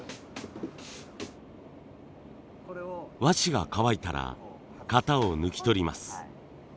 和紙が乾いたら型を抜き取ります。